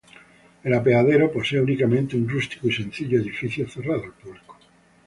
El apeadero posee únicamente un rústico y sencillo edificio cerrado al público.